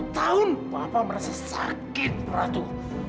tahun papa merasa sakit ratu